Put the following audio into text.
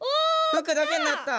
服だけになった。